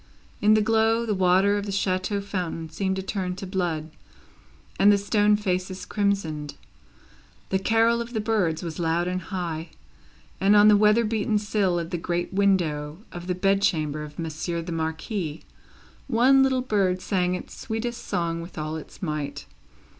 In the glow, the water of the chateau fountain seemed to turn to blood, and the stone faces crimsoned. The carol of the birds was loud and high, and, on the weather beaten sill of the great window of the bed chamber of Monsieur the Marquis, one little bird sang its sweetest song with all its might.